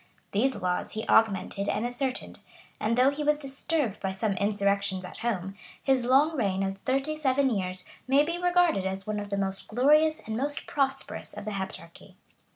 These laws he augmented and ascertained; and though he was disturbed by some insurrections at home, his long reign of thirty seven years may be regarded as one of the most glorious and most prosperous of the Heptarchy.